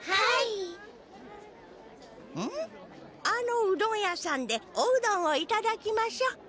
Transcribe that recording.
あのうどん屋さんで「おうどん」をいただきましょ。